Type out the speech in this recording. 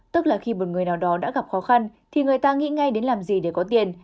tức là khi một người nào đó đã gặp khó khăn thì người ta nghĩ ngay đến làm gì để có tiền